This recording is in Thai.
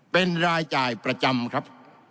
เป็นรายจ่ายประจำครับ